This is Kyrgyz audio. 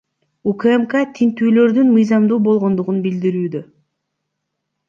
УКМК тинтүүлөрдүн мыйзамдуу болгондугун билдирүүдө.